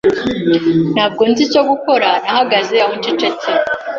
Ntabwo nzi icyo gukora, nahagaze aho ncecetse.